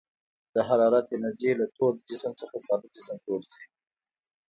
د حرارتي انرژي له تود جسم څخه ساړه جسم ته ورځي.